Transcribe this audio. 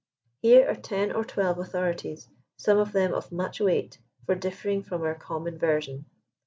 Here are ten or twelve authorities, some of them of much weight, for differing from our common version.